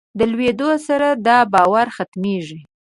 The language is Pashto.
د لویېدو سره دا باور ختمېږي.